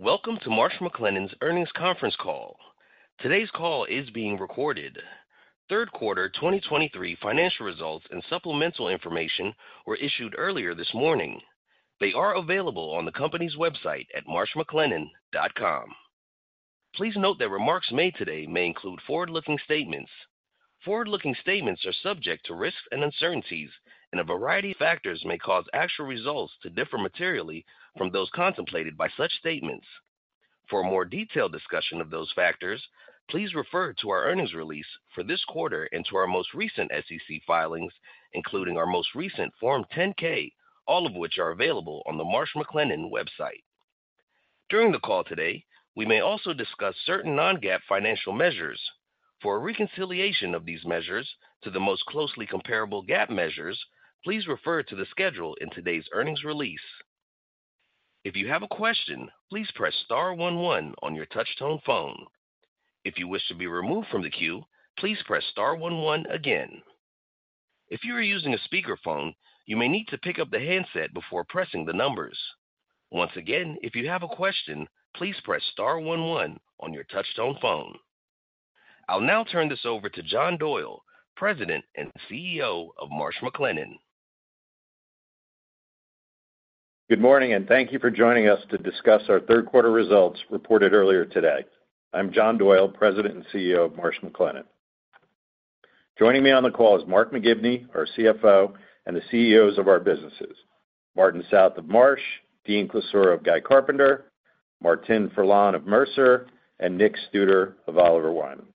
Welcome to Marsh McLennan's earnings conference call. Today's call is being recorded. Q3 2023 financial results and supplemental information were issued earlier this morning. They are available on the company's website at marshmclennan.com. Please note that remarks made today may include forward-looking statements. Forward-looking statements are subject to risks and uncertainties, and a variety of factors may cause actual results to differ materially from those contemplated by such statements. For a more detailed discussion of those factors, please refer to our earnings release for this quarter and to our most recent SEC filings, including our most recent Form 10-K, all of which are available on the Marsh McLennan website. During the call today, we may also discuss certain non-GAAP financial measures. For a reconciliation of these measures to the most closely comparable GAAP measures, please refer to the schedule in today's earnings release. If you have a question, please press star one one on your touchtone phone. If you wish to be removed from the queue, please press star one one again. If you are using a speakerphone, you may need to pick up the handset before pressing the numbers. Once again, if you have a question, please press star one one on your touchtone phone. I'll now turn this over to John Doyle, President and CEO of Marsh McLennan. Good morning, and thank you for joining us to discuss our Q3 results reported earlier today. I'm John Doyle, President and CEO of Marsh McLennan. Joining me on the call is Mark McGivney, our CFO, and the CEOs of our businesses, Martin South of Marsh, Dean Klisura of Guy Carpenter, Martine Ferland of Mercer, and Nick Studer of Oliver Wyman.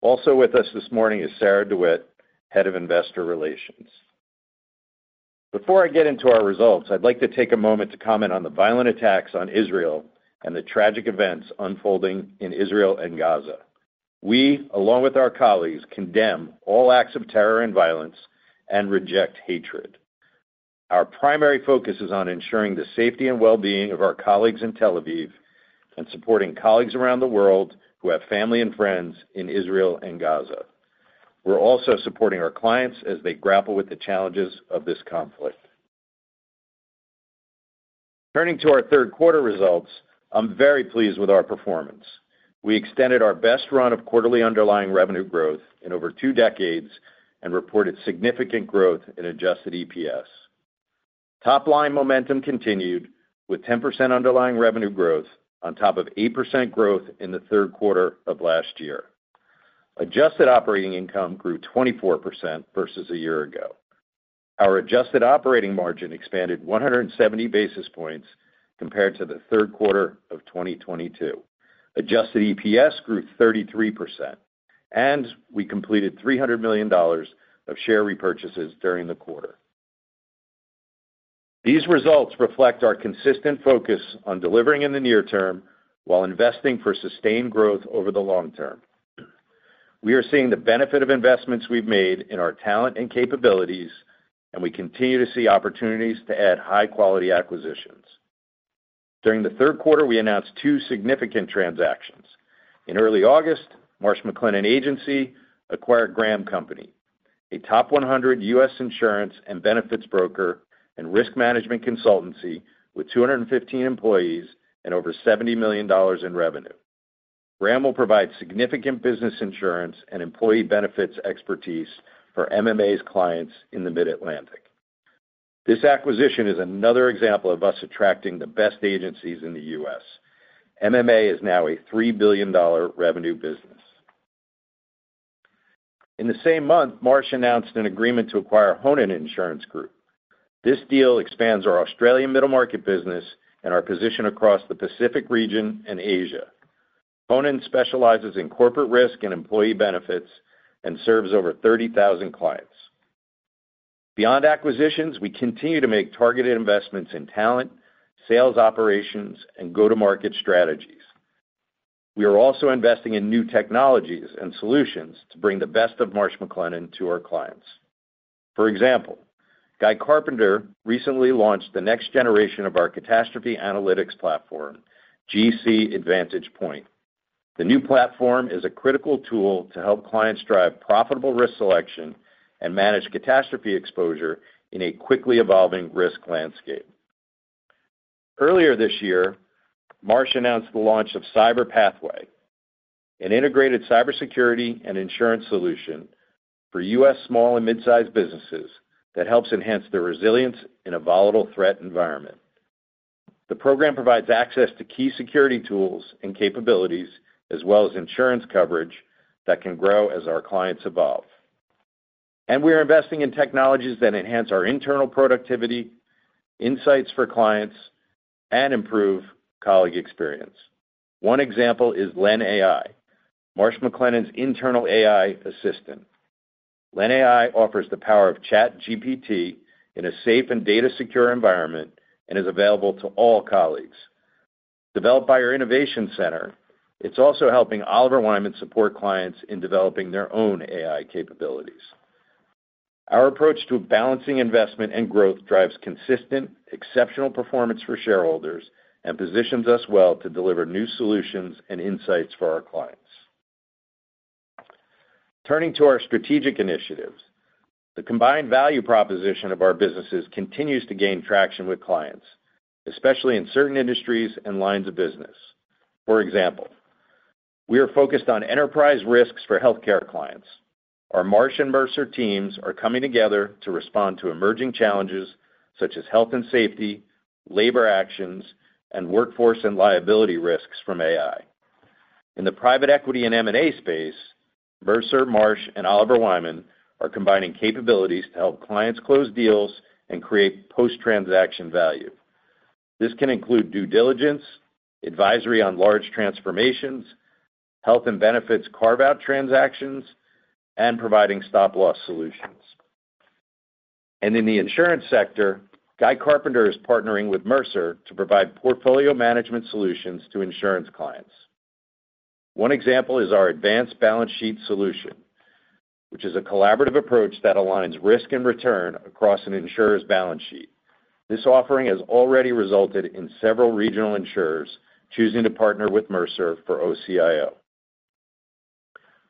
Also with us this morning is Sarah DeWitt, Head of Investor Relations. Before I get into our results, I'd like to take a moment to comment on the violent attacks on Israel and the tragic events unfolding in Israel and Gaza. We, along with our colleagues, condemn all acts of terror and violence and reject hatred. Our primary focus is on ensuring the safety and well-being of our colleagues in Tel Aviv and supporting colleagues around the world who have family and friends in Israel and Gaza. We're also supporting our clients as they grapple with the challenges of this conflict. Turning to our Q3 results, I'm very pleased with our performance. We extended our best run of quarterly underlying revenue growth in over two decades and reported significant growth in adjusted EPS. Top line momentum continued, with 10% underlying revenue growth on top of 8% growth in the Q3 of last year. Adjusted operating income grew 24% versus a year ago. Our adjusted operating margin expanded 170 basis points compared to the Q3 of 2022. Adjusted EPS grew 33%, and we completed $300 million of share repurchases during the quarter. These results reflect our consistent focus on delivering in the near term while investing for sustained growth over the long term. We are seeing the benefit of investments we've made in our talent and capabilities, and we continue to see opportunities to add high-quality acquisitions. During the Q3, we announced two significant transactions. In early August, Marsh McLennan Agency acquired Graham Company, a top 100 U.S. insurance and benefits broker and risk management consultancy with 215 employees and over $70 million in revenue. Graham will provide significant business insurance and employee benefits expertise for MMA's clients in the Mid-Atlantic. This acquisition is another example of us attracting the best agencies in the U.S. MMA is now a $3 billion revenue business. In the same month, Marsh announced an agreement to acquire Honan Insurance Group. This deal expands our Australian middle market business and our position across the Pacific region and Asia. Honan specializes in corporate risk and employee benefits and serves over 30,000 clients. Beyond acquisitions, we continue to make targeted investments in talent, sales operations, and go-to-market strategies. We are also investing in new technologies and solutions to bring the best of Marsh McLennan to our clients. For example, Guy Carpenter recently launched the next generation of our catastrophe analytics platform, GC Advantage Point. The new platform is a critical tool to help clients drive profitable risk selection and manage catastrophe exposure in a quickly evolving risk landscape. Earlier this year, Marsh announced the launch of Cyber Pathway, an integrated cybersecurity and insurance solution for U.S. small and mid-sized businesses that helps enhance their resilience in a volatile threat environment. The program provides access to key security tools and capabilities, as well as insurance coverage that can grow as our clients evolve. We are investing in technologies that enhance our internal productivity, insights for clients, and improve colleague experience. One example is LenAI, Marsh McLennan's internal AI assistant. LenAI offers the power of ChatGPT in a safe and data-secure environment and is available to all colleagues. Developed by our innovation center, it's also helping Oliver Wyman support clients in developing their own AI capabilities. Our approach to balancing investment and growth drives consistent, exceptional performance for shareholders and positions us well to deliver new solutions and insights for our clients. Turning to our strategic initiatives, the combined value proposition of our businesses continues to gain traction with clients, especially in certain industries and lines of business. For example, we are focused on enterprise risks for healthcare clients. Our Marsh and Mercer teams are coming together to respond to emerging challenges such as health and safety, labor actions, and workforce and liability risks from AI. In the private equity and M&A space, Mercer, Marsh, and Oliver Wyman are combining capabilities to help clients close deals and create post-transaction value. This can include due diligence, advisory on large transformations, health and benefits carve-out transactions, and providing stop-loss solutions. In the insurance sector, Guy Carpenter is partnering with Mercer to provide portfolio management solutions to insurance clients. One example is our advanced balance sheet solution, which is a collaborative approach that aligns risk and return across an insurer's balance sheet. This offering has already resulted in several regional insurers choosing to partner with Mercer for OCIO.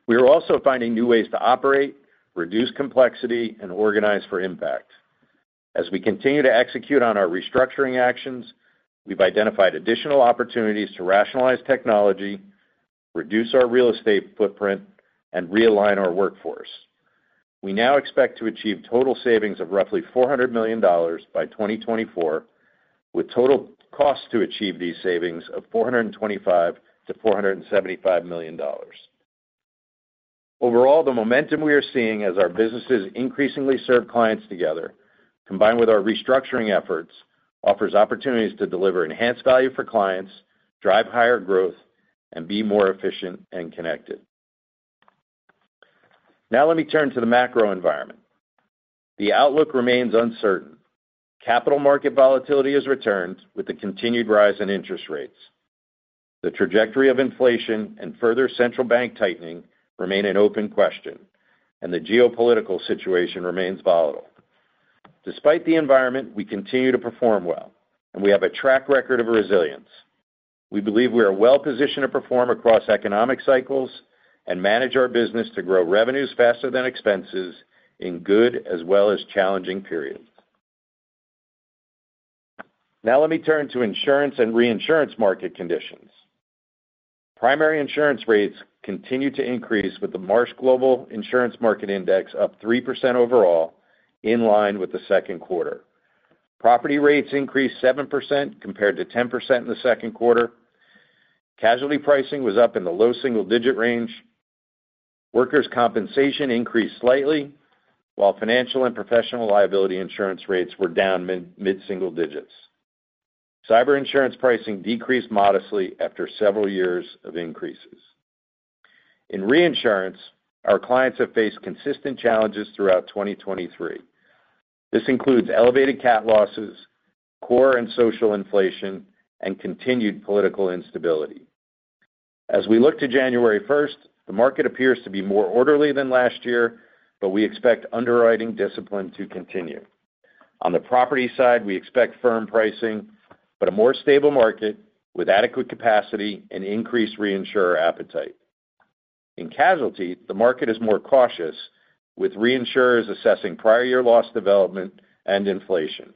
We are also finding new ways to operate, reduce complexity, and organize for impact. As we continue to execute on our restructuring actions, we've identified additional opportunities to rationalize technology, reduce our real estate footprint, and realign our workforce. We now expect to achieve total savings of roughly $400 million by 2024, with total costs to achieve these savings of $425 million-$475 million. Overall, the momentum we are seeing as our businesses increasingly serve clients together, combined with our restructuring efforts, offers opportunities to deliver enhanced value for clients, drive higher growth, and be more efficient and connected. Now let me turn to the macro environment. The outlook remains uncertain. Capital market volatility has returned with the continued rise in interest rates. The trajectory of inflation and further central bank tightening remain an open question, and the geopolitical situation remains volatile. Despite the environment, we continue to perform well, and we have a track record of resilience. We believe we are well-positioned to perform across economic cycles and manage our business to grow revenues faster than expenses in good as well as challenging periods. Now let me turn to insurance and reinsurance market conditions. Primary insurance rates continue to increase, with the Marsh Global Insurance Market Index up 3% overall, in line with the Q2. Property rates increased 7% compared to 10% in the Q2. Casualty pricing was up in the low single-digit range. Workers' compensation increased slightly, while financial and professional liability insurance rates were down mid-single digits. Cyber insurance pricing decreased modestly after several years of increases. In reinsurance, our clients have faced consistent challenges throughout 2023. This includes elevated cat losses, core and social inflation, and continued political instability. As we look to January 1st, the market appears to be more orderly than last year, but we expect underwriting discipline to continue. On the property side, we expect firm pricing, but a more stable market with adequate capacity and increased reinsurer appetite. In casualty, the market is more cautious, with reinsurers assessing prior year loss development and inflation.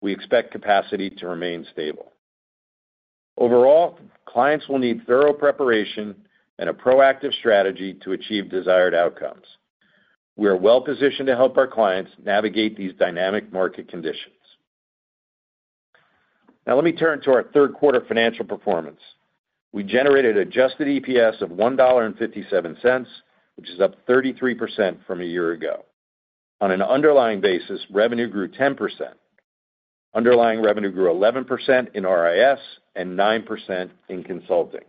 We expect capacity to remain stable. Overall, clients will need thorough preparation and a proactive strategy to achieve desired outcomes. We are well-positioned to help our clients navigate these dynamic market conditions. Now let me turn to our Q3 financial performance. We generated adjusted EPS of $1.57, which is up 33% from a year ago. On an underlying basis, revenue grew 10%. Underlying revenue grew 11% in RIS and 9% in consulting.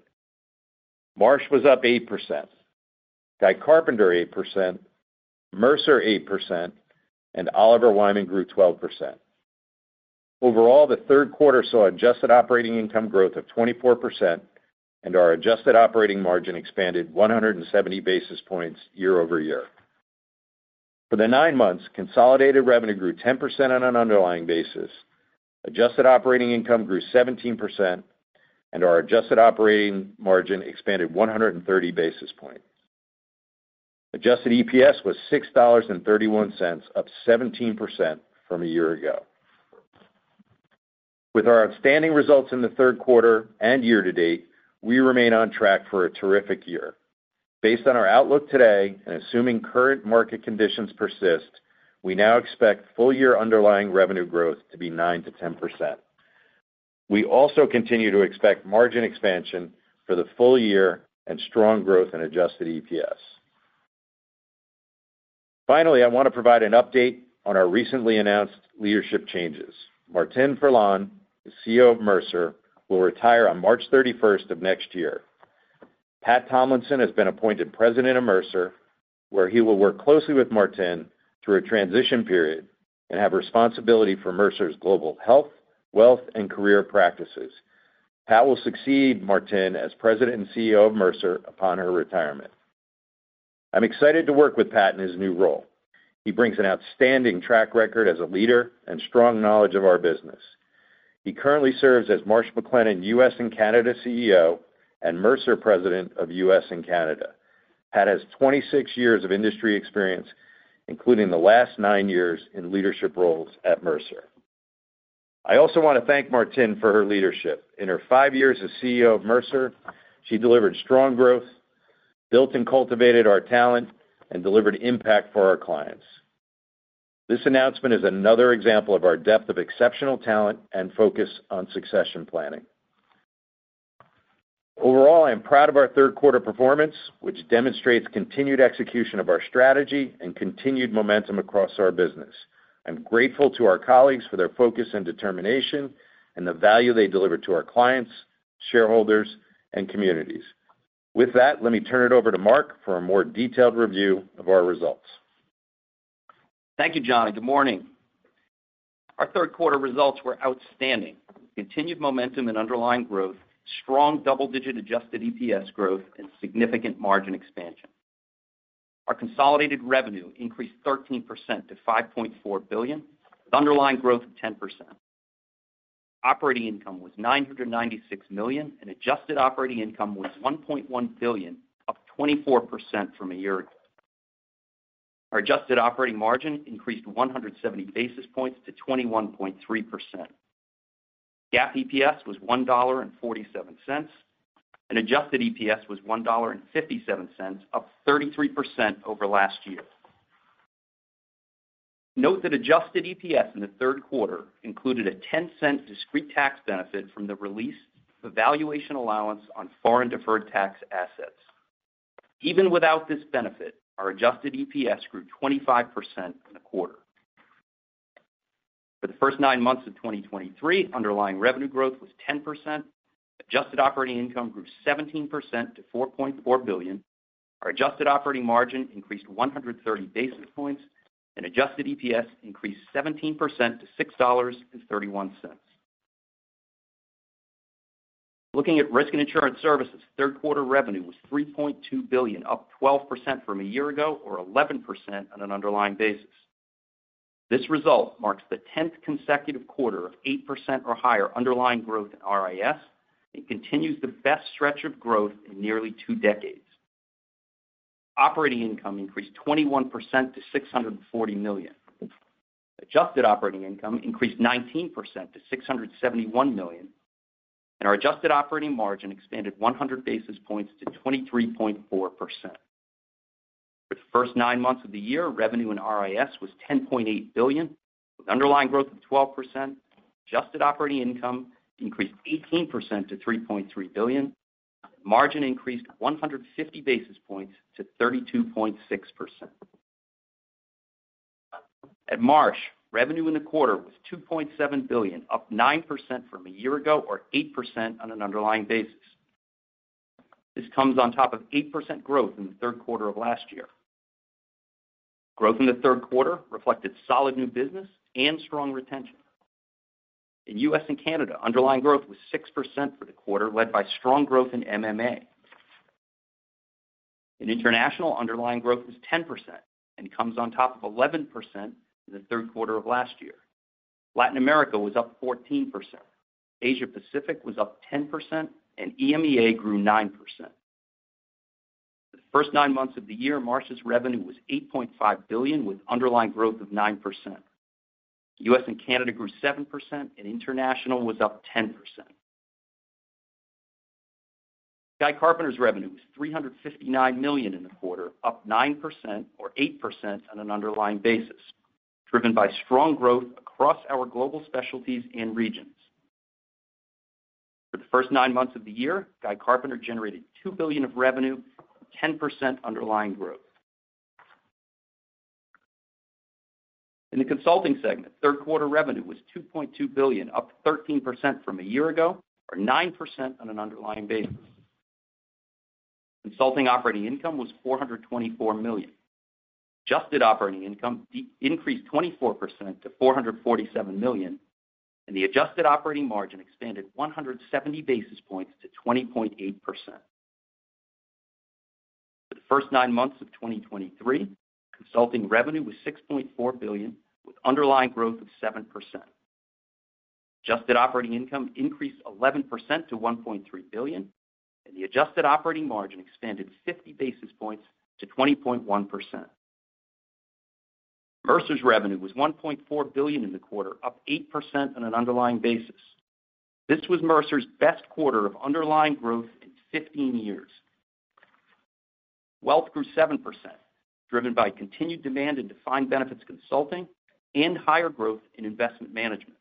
Marsh was up 8%, Guy Carpenter, 8%, Mercer, 8%, and Oliver Wyman grew 12%. Overall, the Q3 saw Adjusted Operating Income growth of 24%, and our Adjusted Operating Margin expanded 170 basis points year-over-year. For the 9 months, consolidated revenue grew 10% on an underlying basis. Adjusted Operating Income grew 17%, and our Adjusted Operating Margin expanded 130 basis points. Adjusted EPS was $6.31, up 17% from a year ago. With our outstanding results in the Q3 and year-to-date, we remain on track for a terrific year. Based on our outlook today, and assuming current market conditions persist, we now expect full-year underlying revenue growth to be 9%-10%. We also continue to expect margin expansion for the full year and strong growth in Adjusted EPS. Finally, I want to provide an update on our recently announced leadership changes. Martine Ferland, the CEO of Mercer, will retire on March 31st of next year. Pat Tomlinson has been appointed President of Mercer, where he will work closely with Martine through a transition period and have responsibility for Mercer's global health, wealth, and career practices. Pat will succeed Martine as President and CEO of Mercer upon her retirement. I'm excited to work with Pat in his new role. He brings an outstanding track record as a leader and strong knowledge of our business. He currently serves as Marsh McLennan U.S. and Canada CEO, and Mercer President of U.S. and Canada. Pat has 26 years of industry experience, including the last 9 years in leadership roles at Mercer. I also want to thank Martine for her leadership. In her five years as CEO of Mercer, she delivered strong growth, built and cultivated our talent, and delivered impact for our clients. This announcement is another example of our depth of exceptional talent and focus on succession planning. Overall, I am proud of our Q3 performance, which demonstrates continued execution of our strategy and continued momentum across our business. I'm grateful to our colleagues for their focus and determination, and the value they deliver to our clients, shareholders, and communities. With that, let me turn it over to Mark for a more detailed review of our results. Thank you, John, and good morning. Our Q3 results were outstanding. Continued momentum and underlying growth, strong double-digit adjusted EPS growth, and significant margin expansion. Our consolidated revenue increased 13% to $5.4 billion, with underlying growth of 10%. Operating income was $996 million, and adjusted operating income was $1.1 billion, up 24% from a year ago. Our adjusted operating margin increased 170 basis points to 21.3%. GAAP EPS was $1.47, and adjusted EPS was $1.57, up 33% over last year. Note that adjusted EPS in the Q3 included a $0.10 discrete tax benefit from the release of valuation allowance on foreign deferred tax assets. Even without this benefit, our adjusted EPS grew 25% in the quarter. For the first nine months of 2023, underlying revenue growth was 10%. Adjusted operating income grew 17% to $4.4 billion. Our adjusted operating margin increased 130 basis points, and adjusted EPS increased 17% to $6.31. Looking at risk and insurance services, Q3 revenue was $3.2 billion, up 12% from a year ago, or 11% on an underlying basis. This result marks the 10th consecutive quarter of 8% or higher underlying growth in RIS, and continues the best stretch of growth in nearly two decades. Operating income increased 21% to $640 million. Adjusted operating income increased 19% to $671 million, and our adjusted operating margin expanded 100 basis points to 23.4%. For the first nine months of the year, revenue in RIS was $10.8 billion, with underlying growth of 12%. Adjusted operating income increased 18% to $3.3 billion. Margin increased 150 basis points to 32.6%. At Marsh, revenue in the quarter was $2.7 billion, up 9% from a year ago, or 8% on an underlying basis. This comes on top of 8% growth in the Q3 of last year. Growth in the Q3 reflected solid new business and strong retention. In US and Canada, underlying growth was 6% for the quarter, led by strong growth in MMA. In international, underlying growth was 10% and comes on top of 11% in the Q3 of last year. Latin America was up 14%, Asia Pacific was up 10%, and EMEA grew 9%. The first nine months of the year, Marsh's revenue was $8.5 billion, with underlying growth of 9%. US and Canada grew 7%, and international was up 10%. Guy Carpenter's revenue was $359 million in the quarter, up 9% or 8% on an underlying basis, driven by strong growth across our global specialties and regions. For the first nine months of the year, Guy Carpenter generated $2 billion of revenue, 10% underlying growth. In the consulting segment, Q3 revenue was $2.2 billion, up 13% from a year ago, or 9% on an underlying basis. Consulting operating income was $424 million. Adjusted operating income increased 24% to $447 million, and the adjusted operating margin expanded 170 basis points to 20.8%. For the first nine months of 2023, consulting revenue was $6.4 billion, with underlying growth of 7%. Adjusted operating income increased 11% to $1.3 billion, and the adjusted operating margin expanded 50 basis points to 20.1%. Mercer's revenue was $1.4 billion in the quarter, up 8% on an underlying basis. This was Mercer's best quarter of underlying growth in 15 years. Wealth grew 7%, driven by continued demand in defined benefits consulting and higher growth in investment management.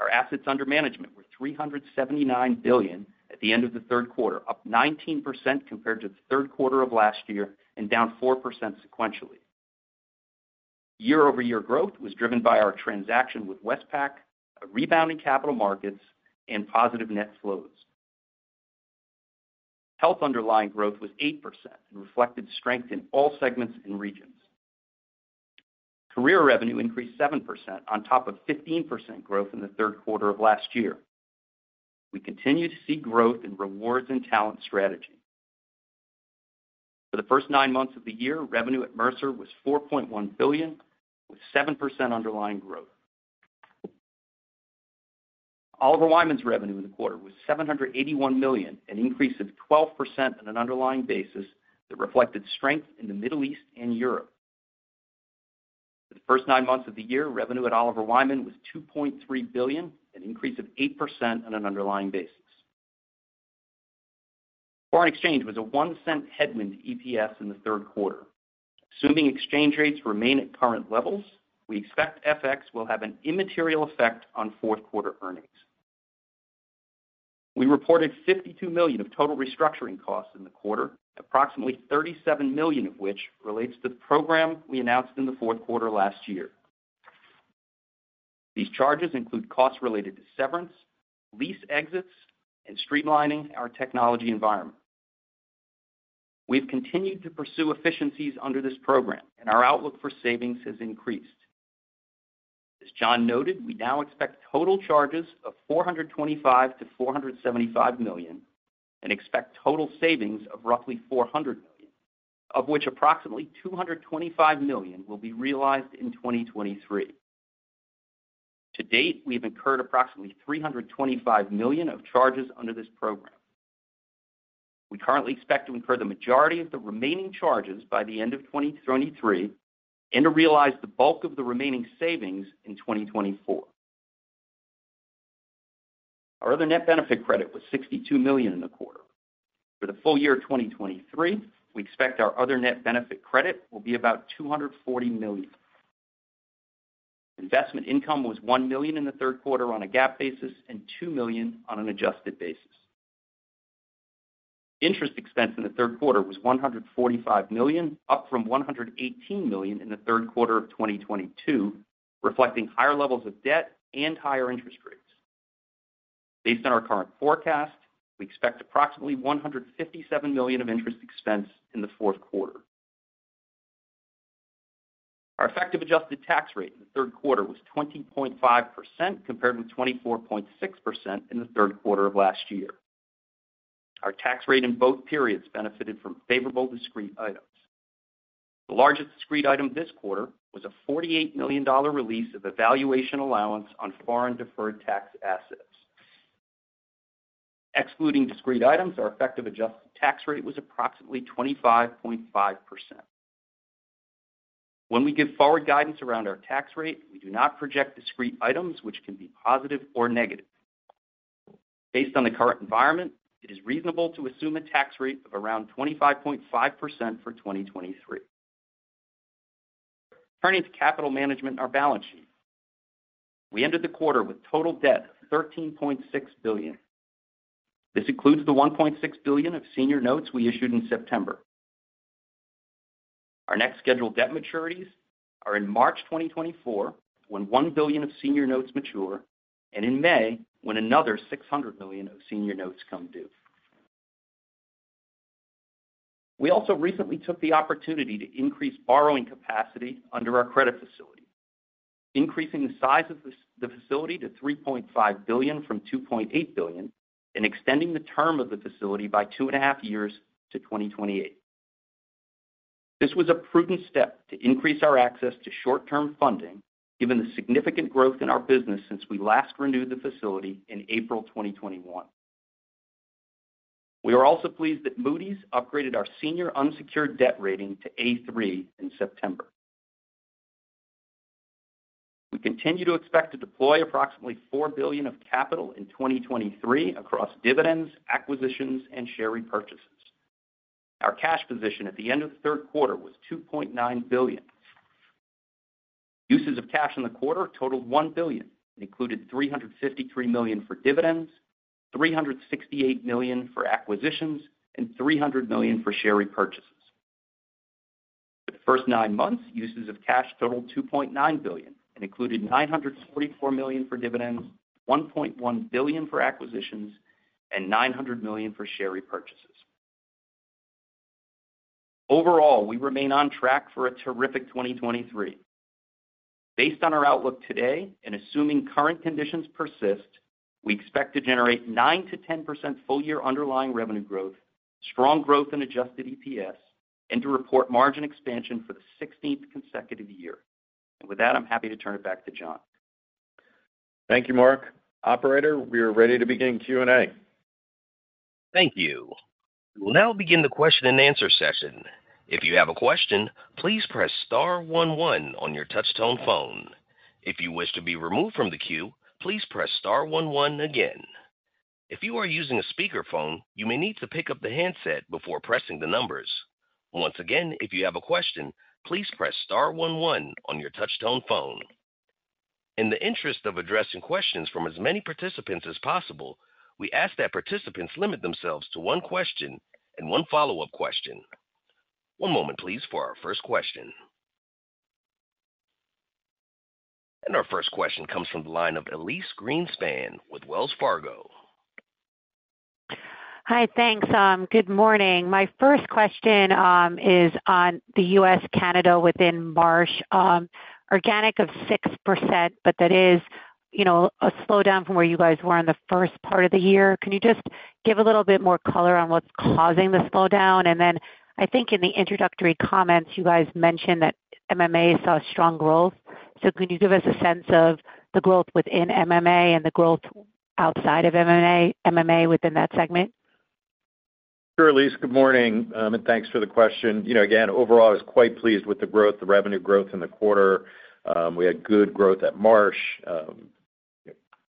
Our assets under management were $379 billion at the end of the Q3, up 19% compared to the Q3 of last year and down 4% sequentially. Year-over-year growth was driven by our transaction with Westpac, a rebounding capital markets and positive net flows. Health underlying growth was 8% and reflected strength in all segments and regions. Career revenue increased 7% on top of 15% growth in the Q3 of last year. We continue to see growth in rewards and talent strategy.... For the first 9 months of the year, revenue at Mercer was $4.1 billion, with 7% underlying growth. Oliver Wyman's revenue in the quarter was $781 million, an increase of 12% on an underlying basis that reflected strength in the Middle East and Europe. For the first nine months of the year, revenue at Oliver Wyman was $2.3 billion, an increase of 8% on an underlying basis. Foreign exchange was a $0.01 headwind to EPS in the Q3. Assuming exchange rates remain at current levels, we expect FX will have an immaterial effect on Q4 earnings. We reported $52 million of total restructuring costs in the quarter, approximately $37 million of which relates to the program we announced in the Q4 last year. These charges include costs related to severance, lease exits, and streamlining our technology environment. We've continued to pursue efficiencies under this program, and our outlook for savings has increased. As John noted, we now expect total charges of $425 million-$475 million, and expect total savings of roughly $400 million, of which approximately $225 million will be realized in 2023. To date, we've incurred approximately $325 million of charges under this program. We currently expect to incur the majority of the remaining charges by the end of 2023 and to realize the bulk of the remaining savings in 2024. Our other net benefit credit was $62 million in the quarter. For the full year of 2023, we expect our other net benefit credit will be about $240 million. Investment income was $1 million in the Q3 on a GAAP basis, and $2 million on an adjusted basis. Interest expense in the Q3 was $145 million, up from $118 million in the Q3 of 2022, reflecting higher levels of debt and higher interest rates. Based on our current forecast, we expect approximately $157 million of interest expense in the Q4. Our effective adjusted tax rate in the Q3 was 20.5%, compared with 24.6% in the Q3 of last year. Our tax rate in both periods benefited from favorable discrete items. The largest discrete item this quarter was a $48 million release of a valuation allowance on foreign deferred tax assets. Excluding discrete items, our effective adjusted tax rate was approximately 25.5%. When we give forward guidance around our tax rate, we do not project discrete items, which can be positive or negative. Based on the current environment, it is reasonable to assume a tax rate of around 25.5% for 2023. Turning to capital management and our balance sheet. We ended the quarter with total debt of $13.6 billion. This includes the $1.6 billion of senior notes we issued in September. Our next scheduled debt maturities are in March 2024, when $1 billion of senior notes mature, and in May, when another $600 million of senior notes come due. We also recently took the opportunity to increase borrowing capacity under our credit facility, increasing the size of this, the facility, to $3.5 billion from $2.8 billion and extending the term of the facility by 2.5 years to 2028. This was a prudent step to increase our access to short-term funding, given the significant growth in our business since we last renewed the facility in April 2021. We are also pleased that Moody's upgraded our senior unsecured debt rating to A3 in September. We continue to expect to deploy approximately $4 billion of capital in 2023 across dividends, acquisitions, and share repurchases. Our cash position at the end of the Q3 was $2.9 billion. Uses of cash in the quarter totaled $1 billion, and included $353 million for dividends, $368 million for acquisitions, and $300 million for share repurchases. For the first nine months, uses of cash totaled $2.9 billion and included $944 million for dividends, $1.1 billion for acquisitions, and $900 million for share repurchases. Overall, we remain on track for a terrific 2023. Based on our outlook today, and assuming current conditions persist, we expect to generate 9%-10% full-year underlying revenue growth, strong growth in adjusted EPS, and to report margin expansion for the sixteenth consecutive year. With that, I'm happy to turn it back to John. Thank you, Mark. Operator, we are ready to begin Q&A. Thank you. We'll now begin the question-and-answer session. If you have a question, please press star one one on your touchtone phone. If you wish to be removed from the queue, please press star one one again. If you are using a speakerphone, you may need to pick up the handset before pressing the numbers. Once again, if you have a question, please press star one one on your touchtone phone. In the interest of addressing questions from as many participants as possible, we ask that participants limit themselves to one question and one follow-up question. One moment, please, for our first question. Our first question comes from the line of Elyse Greenspan with Wells Fargo. Hi, thanks. Good morning. My first question is on the U.S., Canada within Marsh. Organic of 6%, but you know, a slowdown from where you guys were in the first part of the year. Can you just give a little bit more color on what's causing the slowdown? And then I think in the introductory comments, you guys mentioned that MMA saw strong growth. So could you give us a sense of the growth within MMA and the growth outside of MMA, MMA within that segment? Sure, Elyse, good morning, and thanks for the question. You know, again, overall, I was quite pleased with the growth, the revenue growth in the quarter. We had good growth at Marsh,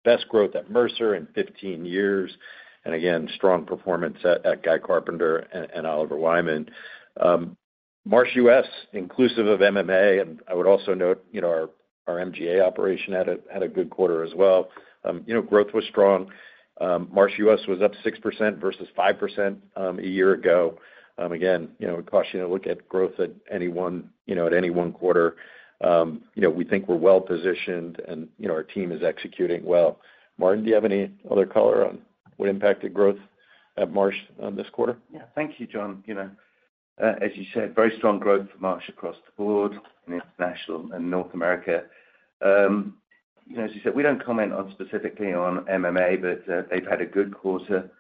best growth at Mercer in 15 years, and again, strong performance at Guy Carpenter and Oliver Wyman. Marsh U.S., inclusive of MMA, and I would also note, you know, our MGA operation had a good quarter as well. You know, growth was strong. Marsh U.S. was up 6% versus 5% a year ago. Again, you know, we caution you to look at growth at any one, you know, at any one quarter. You know, we think we're well-positioned and, you know, our team is executing well. Martin, do you have any other color on what impacted growth at Marsh on this quarter? Yeah. Thank you, John. You know, as you said, very strong growth for Marsh across the board in International and North America. You know, as you said, we don't comment on specifically on MMA, but, they've had a good quarter.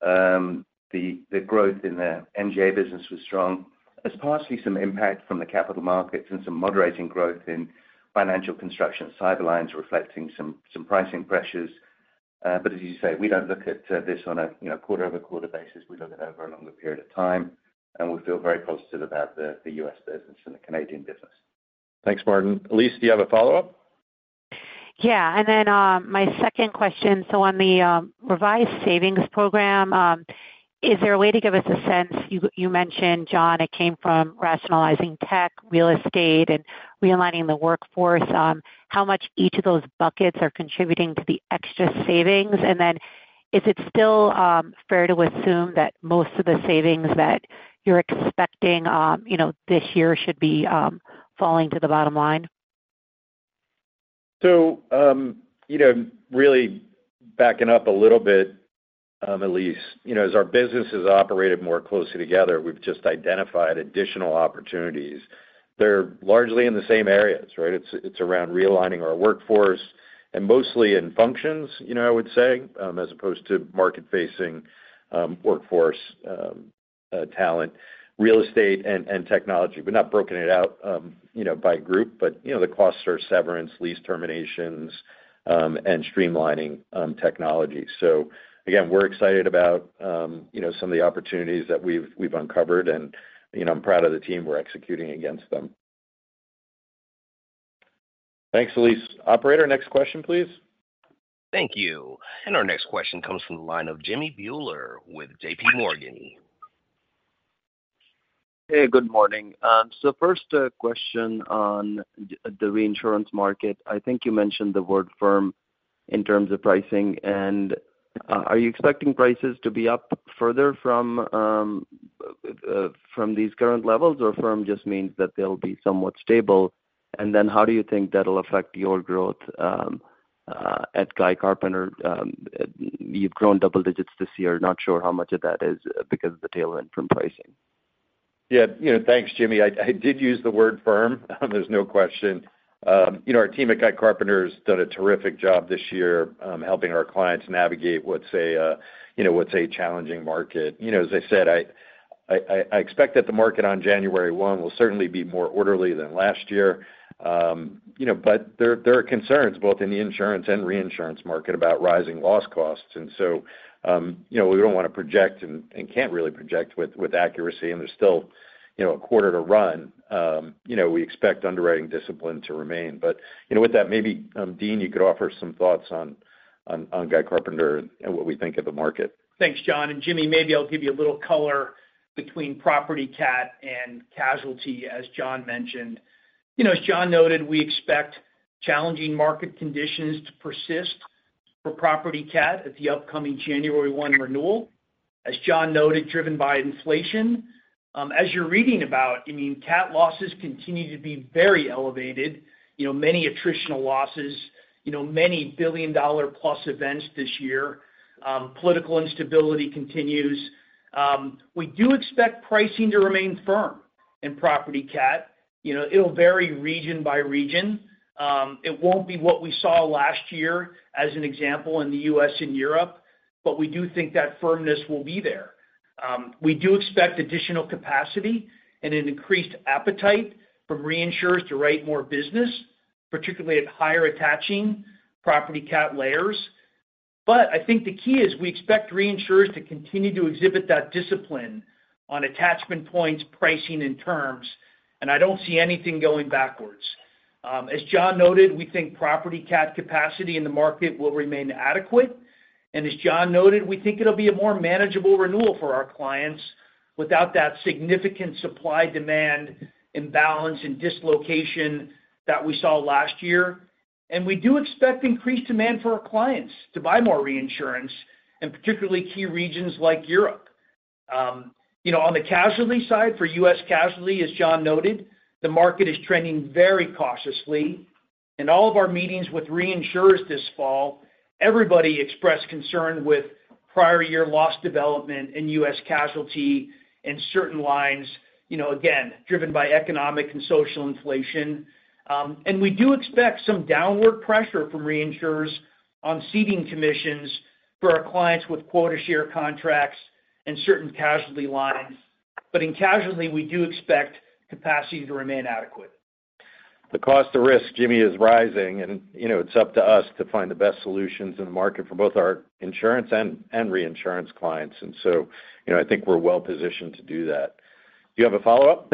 The growth in their MGA business was strong. There's partially some impact from the capital markets and some moderating growth in financial construction sidelines, reflecting some pricing pressures. But as you say, we don't look at this on a, you know, quarter-over-quarter basis. We look at it over a longer period of time, and we feel very positive about the U.S. business and the Canadian business. Thanks, Martin. Elyse, do you have a follow-up? Yeah, and then, my second question: so on the, revised savings program, is there a way to give us a sense, you, you mentioned, John, it came from rationalizing tech, real estate, and realigning the workforce, how much each of those buckets are contributing to the extra savings? And then is it still, fair to assume that most of the savings that you're expecting, you know, this year should be, falling to the bottom line? So, you know, really backing up a little bit, Elyse, you know, as our business has operated more closely together, we've just identified additional opportunities. They're largely in the same areas, right? It's around realigning our workforce and mostly in functions, you know, I would say, as opposed to market-facing workforce, talent, real estate and technology, but not broken it out, you know, by group, but, you know, the costs are severance, lease terminations, and streamlining technology. So again, we're excited about, you know, some of the opportunities that we've uncovered and, you know, I'm proud of the team we're executing against them. Thanks, Elyse. Operator, next question, please. Thank you. Our next question comes from the line of Jimmy Bhullar with JPMorgan. Hey, good morning. So first, question on the reinsurance market. I think you mentioned the word firm in terms of pricing, and are you expecting prices to be up further from these current levels, or firm just means that they'll be somewhat stable? And then how do you think that'll affect your growth at Guy Carpenter? You've grown double digits this year. Not sure how much of that is because of the tailwind from pricing. Yeah, you know, thanks, Jimmy. I did use the word firm, there's no question. You know, our team at Guy Carpenter has done a terrific job this year, helping our clients navigate what's a, you know, what's a challenging market. You know, as I said, I expect that the market on January one will certainly be more orderly than last year. You know, but there are concerns both in the insurance and reinsurance market about rising loss costs. And so, you know, we don't want to project and can't really project with accuracy, and there's still, you know, a quarter to run. You know, we expect underwriting discipline to remain. But, you know, with that, maybe, Dean, you could offer some thoughts on Guy Carpenter and what we think of the market. Thanks, John. Jimmy, maybe I'll give you a little color between property cat and casualty, as John mentioned. You know, as John noted, we expect challenging market conditions to persist for property cat at the upcoming January 1 renewal. As John noted, driven by inflation. As you're reading about, I mean, cat losses continue to be very elevated, you know, many attritional losses, you know, many billion-dollar plus events this year. Political instability continues. We do expect pricing to remain firm in property cat. You know, it'll vary region by region. It won't be what we saw last year, as an example, in the U.S. and Europe, but we do think that firmness will be there. We do expect additional capacity and an increased appetite from reinsurers to write more business, particularly at higher attaching property cat layers. But I think the key is we expect reinsurers to continue to exhibit that discipline on attachment points, pricing, and terms, and I don't see anything going backwards. As John noted, we think property cat capacity in the market will remain adequate, and as John noted, we think it'll be a more manageable renewal for our clients without that significant supply-demand imbalance and dislocation that we saw last year. And we do expect increased demand for our clients to buy more reinsurance, in particular key regions like Europe. You know, on the casualty side, for U.S. casualty, as John noted, the market is trending very cautiously. In all of our meetings with reinsurers this fall, everybody expressed concern with prior year loss development in U.S. casualty in certain lines, you know, again, driven by economic and social inflation. We do expect some downward pressure from reinsurers on ceding commissions for our clients with quota share contracts and certain casualty lines. But in casualty, we do expect capacity to remain adequate. The cost of risk, Jimmy, is rising, and, you know, it's up to us to find the best solutions in the market for both our insurance and reinsurance clients. And so, you know, I think we're well positioned to do that. Do you have a follow-up?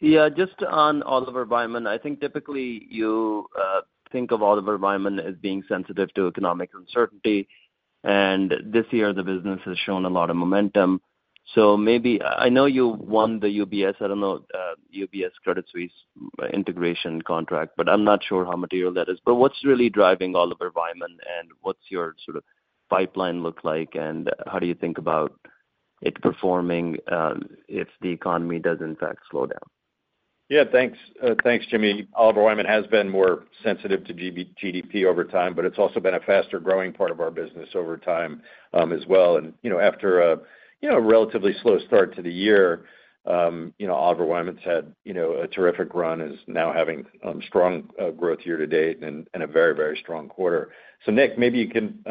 Yeah, just on Oliver Wyman. I think typically you think of Oliver Wyman as being sensitive to economic uncertainty, and this year the business has shown a lot of momentum. So maybe. I know you won the UBS, I don't know, UBS Credit Suisse integration contract, but I'm not sure how material that is. But what's really driving Oliver Wyman, and what's your sort of pipeline look like, and how do you think about it performing, if the economy does in fact slow down? Yeah, thanks. Thanks, Jimmy. Oliver Wyman has been more sensitive to global GDP over time, but it's also been a faster-growing part of our business over time, as well. And, you know, after you know, a relatively slow start to the year, you know, Oliver Wyman's had, you know, a terrific run, is now having, strong growth year to date and a very, very strong quarter. So Nick, maybe you can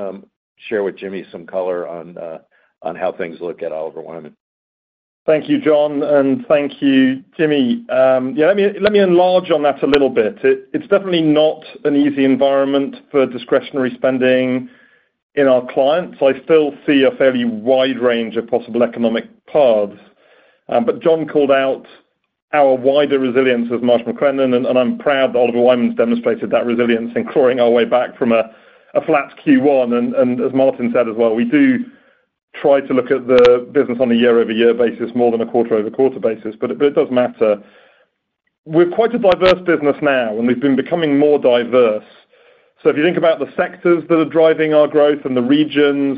share with Jimmy some color on how things look at Oliver Wyman. Thank you, John, and thank you, Jimmy. Yeah, let me enlarge on that a little bit. It's definitely not an easy environment for discretionary spending in our clients. I still see a fairly wide range of possible economic paths. But John called out our wider resilience with Marsh McLennan, and I'm proud that Oliver Wyman's demonstrated that resilience in clawing our way back from a flat Q1. And as Martin said as well, we do try to look at the business on a year-over-year basis more than a quarter-over-quarter basis, but it does matter. We're quite a diverse business now, and we've been becoming more diverse. So if you think about the sectors that are driving our growth and the regions,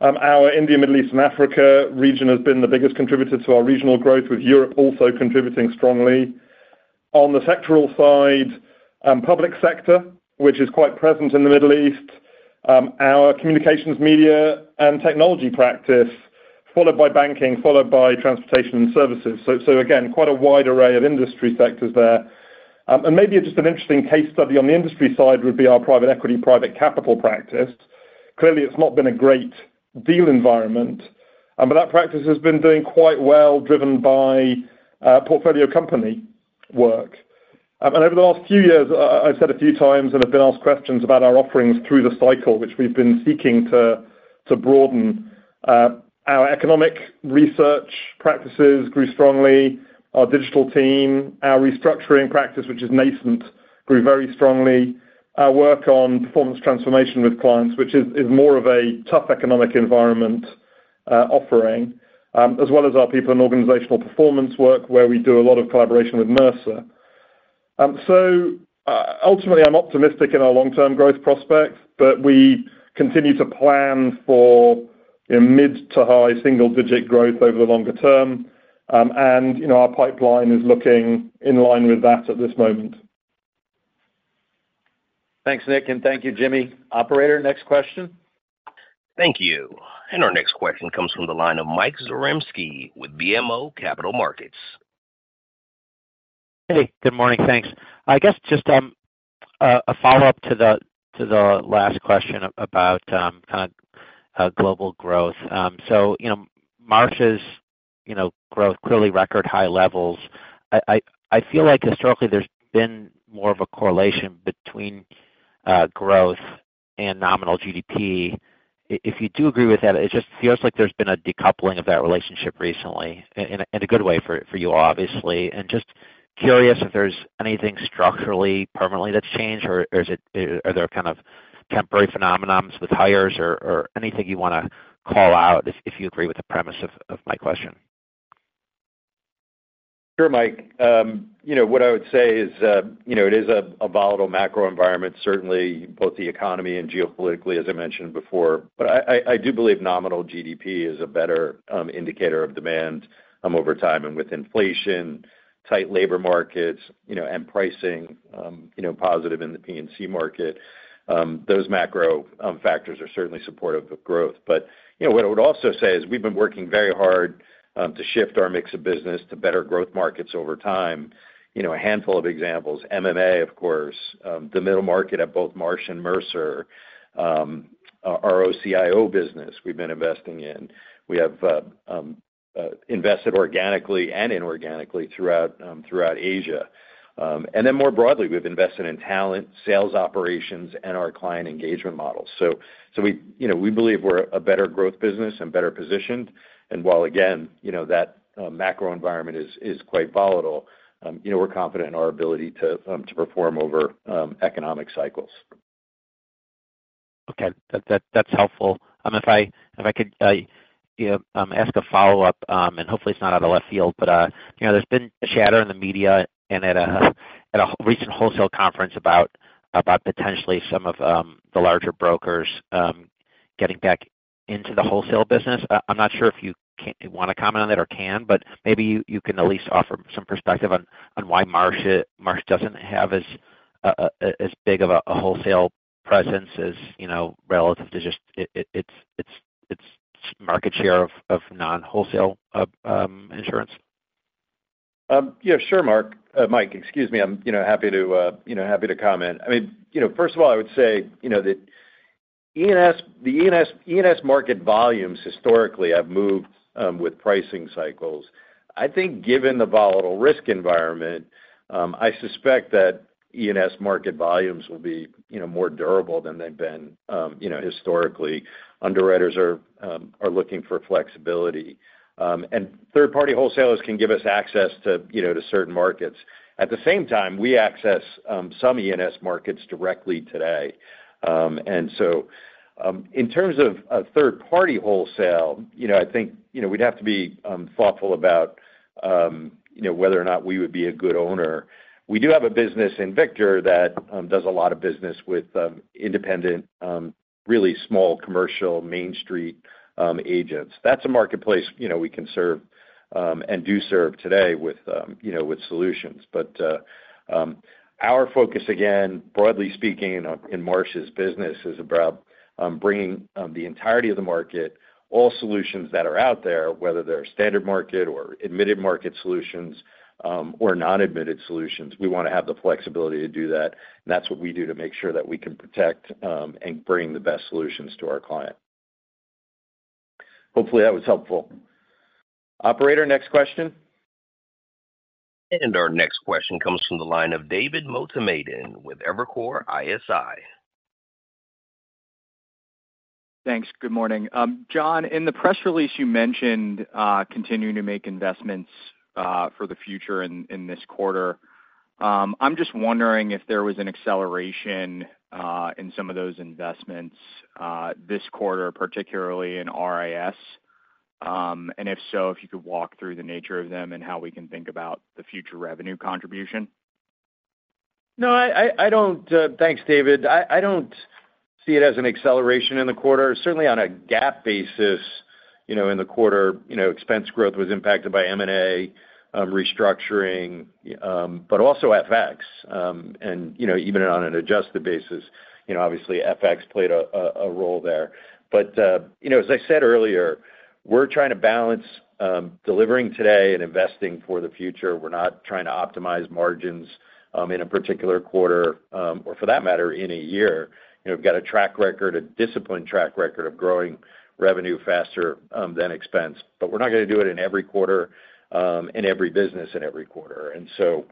our India, Middle East, and Africa region has been the biggest contributor to our regional growth, with Europe also contributing strongly. On the sectoral side, public sector, which is quite present in the Middle East, our communications, media and technology practice, followed by banking, followed by transportation and services. So, so again, quite a wide array of industry sectors there. And maybe just an interesting case study on the industry side would be our private equity, private capital practice. Clearly, it's not been a great deal environment, but that practice has been doing quite well, driven by portfolio company work. And over the last few years, I've said a few times and have been asked questions about our offerings through the cycle, which we've been seeking to, to broaden. Our economic research practices grew strongly, our digital team, our restructuring practice, which is nascent, grew very strongly. Our work on performance transformation with clients, which is, is more of a tough economic environment, offering, as well as our people and organizational performance work, where we do a lot of collaboration with Mercer. So, ultimately, I'm optimistic in our long-term growth prospects, but we continue to plan for, you know, mid to high single digit growth over the longer term. And, you know, our pipeline is looking in line with that at this moment. Thanks, Nick, and thank you, Jimmy. Operator, next question. Thank you. Our next question comes from the line of Mike Zaremski with BMO Capital Markets. Hey, good morning, thanks. I guess just a follow-up to the last question about kind of global growth. So, you know, Marsh's, you know, growth, clearly record high levels. I feel like historically there's been more of a correlation between growth and nominal GDP. If you do agree with that, it just feels like there's been a decoupling of that relationship recently, in a good way for you all, obviously. Just curious if there's anything structurally, permanently that's changed, or is it are there kind of temporary phenomena with hires or anything you want to call out, if you agree with the premise of my question? Sure, Mike. You know, what I would say is, you know, it is a volatile macro environment, certainly both the economy and geopolitically, as I mentioned before. But I do believe nominal GDP is a better indicator of demand over time and with inflation, tight labor markets, you know, and pricing, you know, positive in the P&C market. Those macro factors are certainly supportive of growth. But, you know, what I would also say is we've been working very hard to shift our mix of business to better growth markets over time. You know, a handful of examples, MMA, of course, the middle market at both Marsh and Mercer, our OCIO business we've been investing in. We have invested organically and inorganically throughout, throughout Asia. And then more broadly, we've invested in talent, sales operations, and our client engagement model. So we, you know, we believe we're a better growth business and better positioned. And while again, you know, that macro environment is quite volatile, you know, we're confident in our ability to perform over economic cycles. Okay. That, that, that's helpful. If I could, you know, ask a follow-up, and hopefully it's not out of left field, but, you know, there's been a chatter in the media and at a recent wholesale conference about potentially some of the larger brokers getting back into the wholesale business. I'm not sure if you want to comment on that or can, but maybe you can at least offer some perspective on why Marsh doesn't have as big of a wholesale presence as, you know, relative to just its market share of non-wholesale insurance. Yeah, sure, Mark. Mike, excuse me. I'm, you know, happy to, you know, happy to comment. I mean, you know, first of all, I would say, you know, that E&S, the E&S, E&S market volumes historically have moved with pricing cycles. I think given the volatile risk environment, I suspect that E&S market volumes will be, you know, more durable than they've been, you know, historically. Underwriters are looking for flexibility. And third-party wholesalers can give us access to, you know, to certain markets. At the same time, we access some E&S markets directly today. And so, in terms of a third-party wholesale, you know, I think, you know, we'd have to be thoughtful about, you know, whether or not we would be a good owner. We do have a business in Victor that does a lot of business with independent, really small commercial main street agents. That's a marketplace, you know, we can serve and do serve today with, you know, with solutions. But our focus, again, broadly speaking, in Marsh's business, is about bringing the entirety of the market, all solutions that are out there, whether they're standard market or admitted market solutions or non-admitted solutions; we want to have the flexibility to do that. And that's what we do to make sure that we can protect and bring the best solutions to our client. Hopefully, that was helpful. Operator, next question. Our next question comes from the line of David Motemaden with Evercore ISI. Thanks. Good morning. John, in the press release you mentioned continuing to make investments for the future in this quarter. I'm just wondering if there was an acceleration in some of those investments this quarter, particularly in RIS. And if so, if you could walk through the nature of them and how we can think about the future revenue contribution. No, I don't thanks, David. I don't see it as an acceleration in the quarter. Certainly on a GAAP basis, you know, in the quarter, you know, expense growth was impacted by M&A, restructuring, but also FX. And, you know, even on an adjusted basis, you know, obviously, FX played a role there. But, you know, as I said earlier, we're trying to balance, delivering today and investing for the future. We're not trying to optimize margins, in a particular quarter, or for that matter, in a year. You know, we've got a track record, a disciplined track record of growing revenue faster, than expense. But we're not going to do it in every quarter, in every business, in every quarter. And so,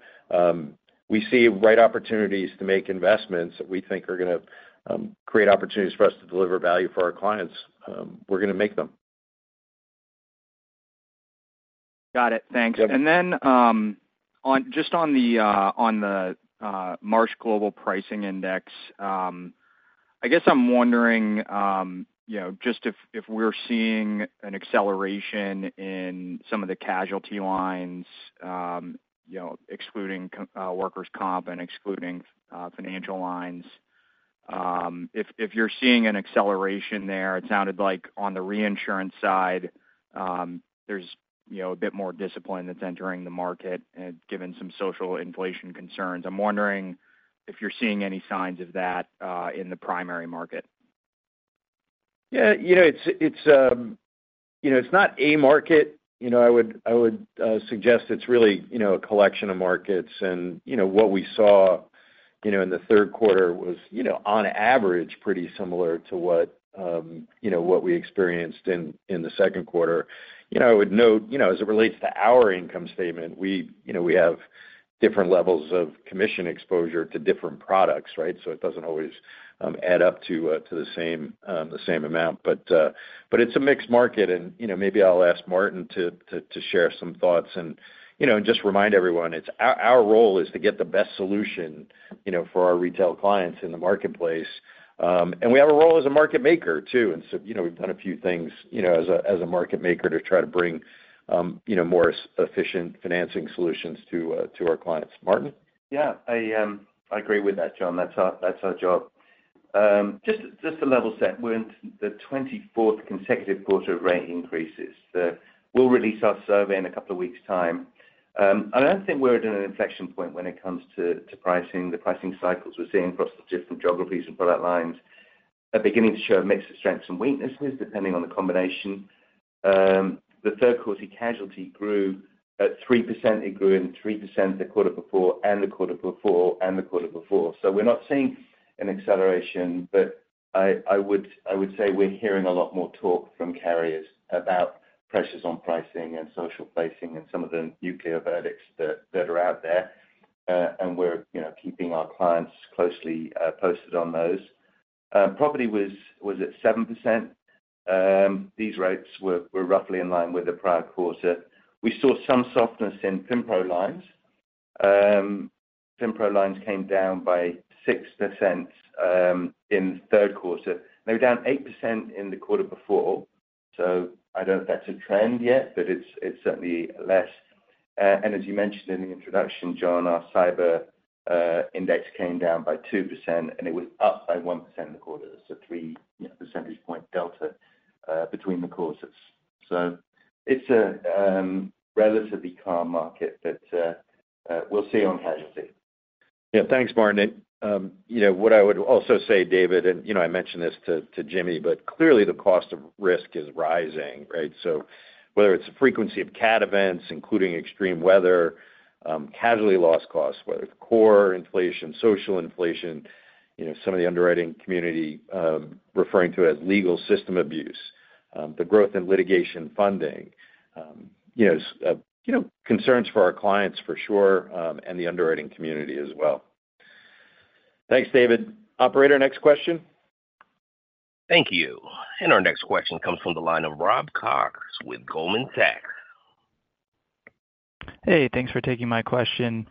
we see right opportunities to make investments that we think are going to create opportunities for us to deliver value for our clients, we're going to make them. Got it. Thanks. Yep. Just on the Marsh Global Insurance Market Index, I guess I'm wondering, you know, just if we're seeing an acceleration in some of the casualty lines, you know, excluding workers' comp and excluding financial lines. If you're seeing an acceleration there, it sounded like on the reinsurance side, there's, you know, a bit more discipline that's entering the market, given some social inflation concerns. I'm wondering if you're seeing any signs of that in the primary market. Yeah, you know, it's not a market. You know, I would suggest it's really, you know, a collection of markets. And, you know, what we saw, you know, in the Q3 was, you know, on average, pretty similar to what we experienced in the Q2. You know, I would note, you know, as it relates to our income statement, we have different levels of commission exposure to different products, right? So it doesn't always add up to the same amount. But it's a mixed market, and, you know, maybe I'll ask Martin to share some thoughts. And, you know, just remind everyone, it's our role is to get the best solution, you know, for our retail clients in the marketplace. And we have a role as a market maker, too. So, you know, we've done a few things, you know, as a market maker to try to bring, you know, more efficient financing solutions to our clients. Martin? Yeah, I agree with that, John. That's our job. Just to level set, we're in the 24th consecutive quarter of rate increases. We'll release our survey in a couple of weeks' time. I don't think we're at an inflection point when it comes to pricing. The pricing cycles we're seeing across the different geographies and product lines are beginning to show a mix of strengths and weaknesses, depending on the combination. The Q3 casualty grew at 3%. It grew 3% the quarter before, and the quarter before, and the quarter before. So we're not seeing an acceleration, but I would say we're hearing a lot more talk from carriers about pressures on pricing and social inflation and some of the Nuclear Verdicts that are out there. and we're, you know, keeping our clients closely posted on those. Property was at 7%. These rates were roughly in line with the prior quarter. We saw some softness in FinPro lines. FinPro lines came down by 6% in the Q3. They were down 8% in the quarter before, so I don't know if that's a trend yet, but it's certainly less. And as you mentioned in the introduction, John, our cyber index came down by 2%, and it was up by 1% in the quarter. That's a 3 percentage point delta between the quarters. So it's a relatively calm market, but we'll see on casualty. Yeah, thanks, Martin. You know, what I would also say, David, and, you know, I mentioned this to, to Jimmy, but clearly, the cost of risk is rising, right? So whether it's the frequency of cat events, including extreme weather, casualty loss costs, whether it's core inflation, social inflation, you know, some of the underwriting community referring to as legal system abuse, the growth in litigation funding, you know, concerns for our clients for sure, and the underwriting community as well. Thanks, David. Operator, next question. Thank you. Our next question comes from the line of Rob Cox with Goldman Sachs. Hey, thanks for taking my question.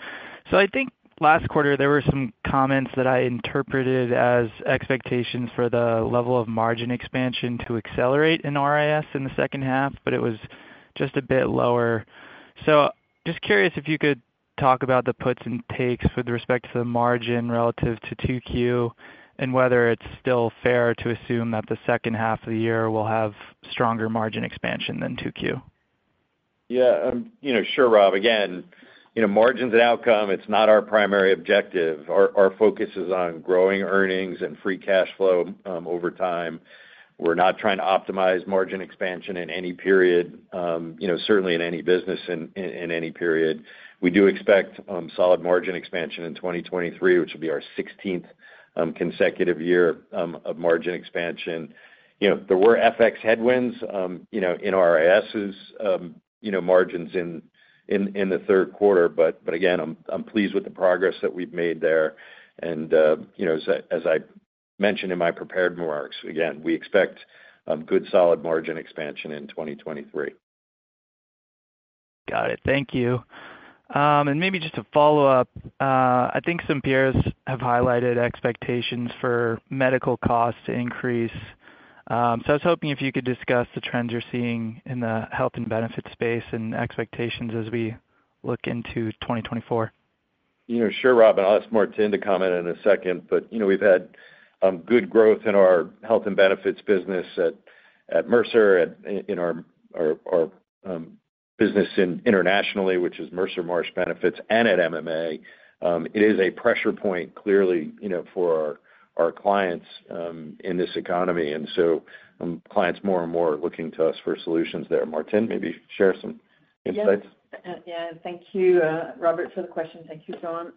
So I think last quarter, there were some comments that I interpreted as expectations for the level of margin expansion to accelerate in RIS in the second half, but it was just a bit lower. So just curious if you could talk about the puts and takes with respect to the margin relative to 2Q, and whether it's still fair to assume that the second half of the year will have stronger margin expansion than 2Q? Yeah, you know, sure, Rob. Again, you know, margins and outcome, it's not our primary objective. Our focus is on growing earnings and free cash flow over time. We're not trying to optimize margin expansion in any period, you know, certainly in any business in any period. We do expect solid margin expansion in 2023, which will be our sixteenth consecutive year of margin expansion. You know, there were FX headwinds, you know, in RIS's margins in the Q3. But again, I'm pleased with the progress that we've made there. And, you know, as I mentioned in my prepared remarks, again, we expect good solid margin expansion in 2023. Got it. Thank you. And maybe just to follow up, I think some peers have highlighted expectations for medical costs to increase. So I was hoping if you could discuss the trends you're seeing in the health and benefits space and expectations as we look into 2024. You know, sure, Rob, and I'll ask Martine to comment in a second. But, you know, we've had good growth in our health and benefits business at Mercer, in our business internationally, which is Mercer Marsh Benefits and at MMA. It is a pressure point, clearly, you know, for our clients in this economy, and so, clients more and more are looking to us for solutions there. Martine, maybe share some insights. Yeah. Yeah, thank you, Robert, for the question. Thank you, John.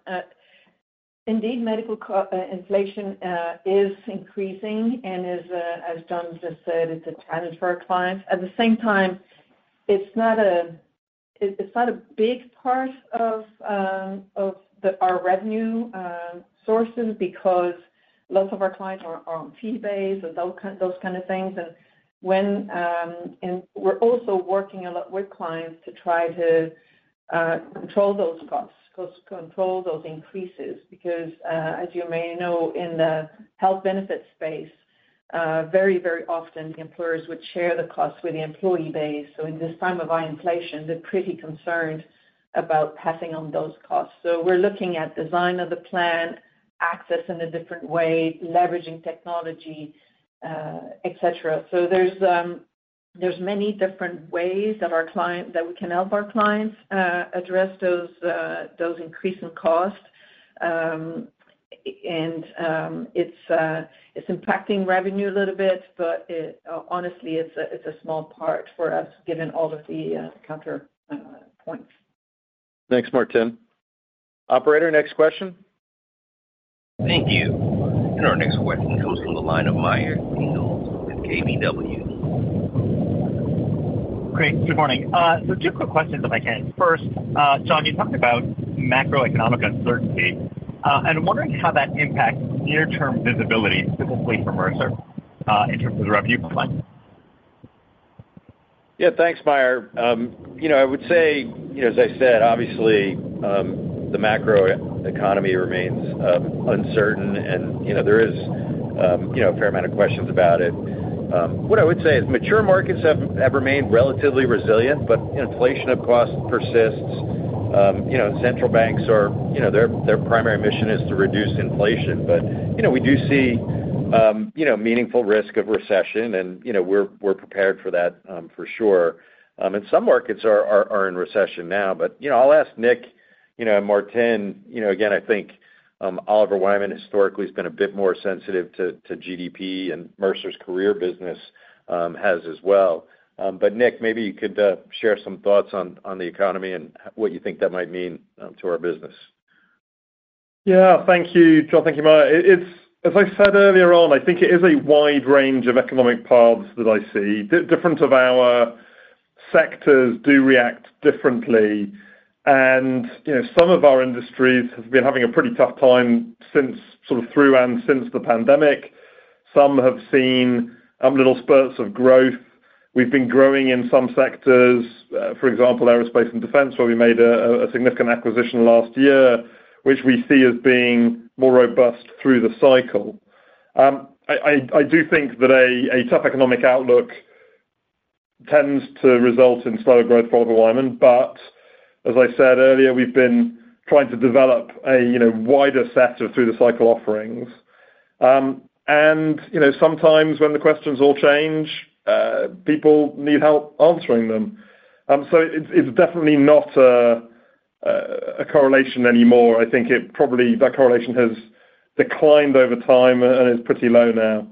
Indeed, medical cost inflation is increasing, and as John just said, it's a challenge for our clients. At the same time, it's not a big part of our revenue sources because lots of our clients are on fee base and those kind of things. And we're also working a lot with clients to try to control those costs, cost control those increases, because, as you may know, in the health benefit space, very, very often the employers would share the costs with the employee base. So in this time of high inflation, they're pretty concerned about passing on those costs. So we're looking at design of the plan, access in a different way, leveraging technology, et cetera. So there's many different ways that we can help our clients address those increasing costs. And it's impacting revenue a little bit, but honestly, it's a small part for us, given all of the counter points. Thanks, Martine. Operator, next question? Thank you. Our next question comes from the line of Meyer Shields with KBW. Great. Good morning. Two quick questions, if I can. First, John, you talked about macroeconomic uncertainty, and I'm wondering how that impacts near-term visibility, specifically from Mercer, in terms of the revenue pipeline. Yeah, thanks, Meyer. You know, I would say, you know, as I said, obviously, the macro economy remains uncertain, and, you know, there is, you know, a fair amount of questions about it. What I would say is mature markets have remained relatively resilient, but inflation, of course, persists. You know, central banks are, you know, their primary mission is to reduce inflation. But, you know, we do see, you know, meaningful risk of recession and, you know, we're prepared for that, for sure. And some markets are in recession now. But, you know, I'll ask Nick, you know, and Martine, you know, again, I think, Oliver Wyman historically has been a bit more sensitive to GDP, and Mercer's career business has as well. But Nick, maybe you could share some thoughts on the economy and what you think that might mean to our business. Yeah. Thank you, John. Thank you, Meyer. It's as I said earlier on, I think it is a wide range of economic paths that I see. Different of our sectors do react differently, and, you know, some of our industries have been having a pretty tough time since, sort of through and since the pandemic. Some have seen little spurts of growth. We've been growing in some sectors, for example, aerospace and defense, where we made a significant acquisition last year, which we see as being more robust through the cycle. I do think that a tough economic outlook tends to result in slower growth for alignment, but as I said earlier, we've been trying to develop a you know wider set of through the cycle offerings.... and, you know, sometimes when the questions all change, people need help answering them. So it's definitely not a correlation anymore. I think it probably, that correlation has declined over time and is pretty low now.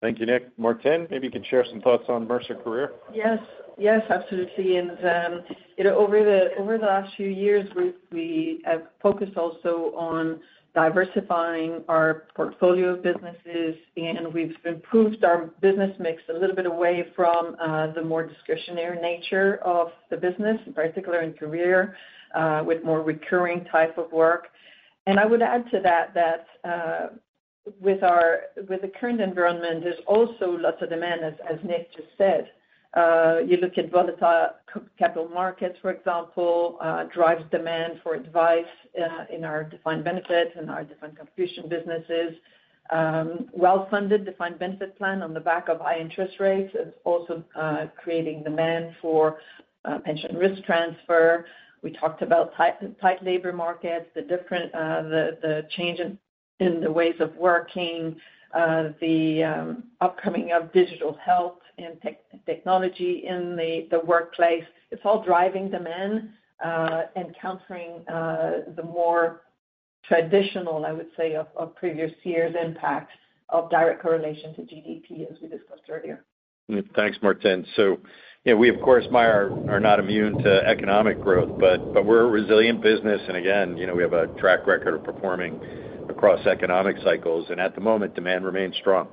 Thank you, Nick. Martine, maybe you can share some thoughts on Mercer Career? Yes. Yes, absolutely. And, you know, over the last few years, we have focused also on diversifying our portfolio of businesses, and we've improved our business mix a little bit away from the more discretionary nature of the business, particularly in career with more recurring type of work. And I would add to that, with the current environment, there's also lots of demand, as Nick just said. You look at volatile capital markets, for example, drives demand for advice in our Defined Benefit and our Defined Contribution businesses. Well-funded Defined Benefit plan on the back of high interest rates is also creating demand for Pension Risk Transfer. We talked about tight, tight labor markets, the different, the changes in the ways of working, the upcoming of digital health and technology in the workplace. It's all driving demand, and countering the more traditional, I would say, of previous years' impact of direct correlation to GDP, as we discussed earlier. Thanks, Martine. So, you know, we, of course, Meyer, are not immune to economic growth, but we're a resilient business. And again, you know, we have a track record of performing across economic cycles, and at the moment, demand remains strong.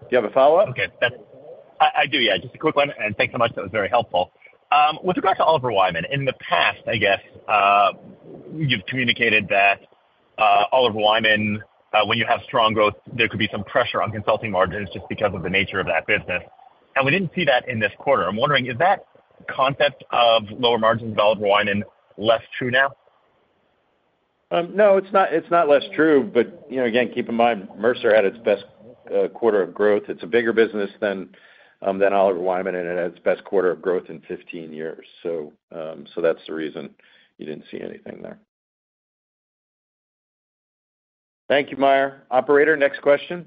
Do you have a follow-up? Okay. Yeah. Just a quick one, and thanks so much. That was very helpful. With regards to Oliver Wyman, in the past, I guess, you've communicated that Oliver Wyman, when you have strong growth, there could be some pressure on consulting margins just because of the nature of that business. And we didn't see that in this quarter. I'm wondering, is that concept of lower margins at Oliver Wyman less true now? No, it's not, it's not less true, but, you know, again, keep in mind, Mercer had its best quarter of growth. It's a bigger business than than Oliver Wyman, and it had its best quarter of growth in 15 years. So, so that's the reason you didn't see anything there. Thank you, Meyer. Operator, next question.